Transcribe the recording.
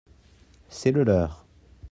c'est le leur.